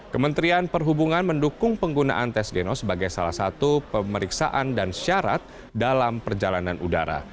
kementerian perhubungan mendukung penggunaan tes genos sebagai salah satu pemeriksaan dan syarat dalam perjalanan udara